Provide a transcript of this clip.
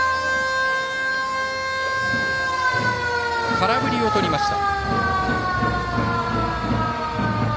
空振りをとりました。